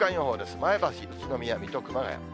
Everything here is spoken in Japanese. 前橋、宇都宮、水戸、熊谷。